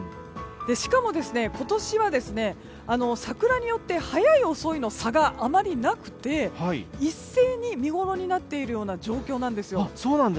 しかも、今年は桜によって早い遅いの差があまりなくて、一斉に見ごろになっているような状況なんですよ。